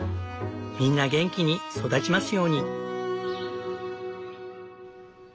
みんな元気に育ちますように。